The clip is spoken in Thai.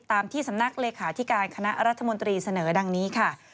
ตามที่สำนักเลขาธิการคณะรัฐมนตรีเสนอดังนี้ค่ะ